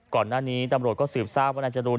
ก่อนหน้านี้ตำรวจก็สืบทราบว่านายจรูน